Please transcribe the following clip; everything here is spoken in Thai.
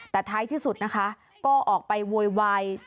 แต่ท้ายที่สุดนะคะก็ออกไปโวยวาย